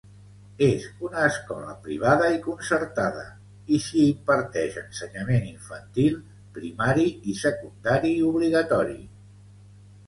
És una escola privada i concertada i s'hi imparteix ensenyament infantil, primari i secundari obligatori.